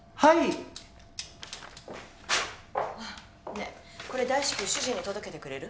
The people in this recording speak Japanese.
ねえこれ大至急主人に届けてくれる？